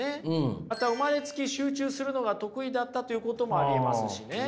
また生まれつき集中するのが得意だったということもありえますしね。